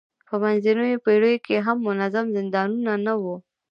په منځنیو پېړیو کې هم منظم زندانونه نه وو.